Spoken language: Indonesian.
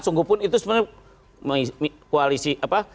sungguhpun itu sebenarnya komisi satu